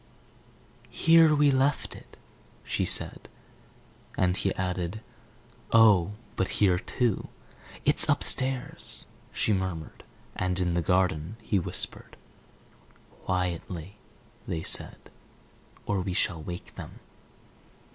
"Here we left it," she said. And he added, "Oh, but here too!" "It's upstairs," she murmured. "And in the garden," he whispered "Quietly," they said, "or we shall wake them."